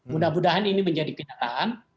mudah mudahan ini menjadi kenyataan